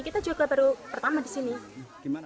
kita juga baru pertama disini